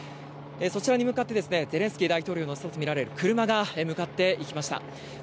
そちらに向かってゼレンスキー大統領が乗ったと見られる車が向かっていきました。